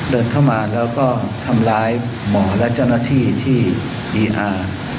เดินเข้ามาแล้วก็ทำร้ายหมอและเจ้าหน้าที่ที่อีอาร์